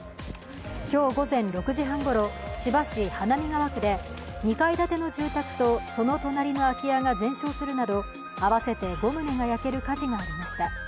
今日午前６時半ごろ千葉市花見川区で２階建ての住宅とその隣の空き家が全焼するなど合わせて５棟が焼ける火事がありました。